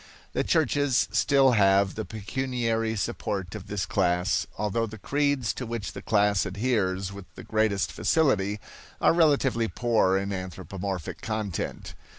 The churches still have the pecuniary support of this class; although the creeds to which the class adheres with the greatest facility are relatively poor in anthropomorphic content.